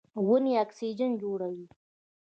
ونې اکسیجن جوړوي.